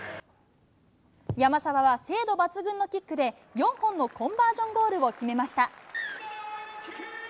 山沢は精度抜群のキックで、４本のコンバージョンゴールを決めました。